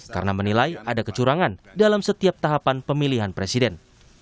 karena menilai ada kecurangan dalam setiap tahapan pemilihan presiden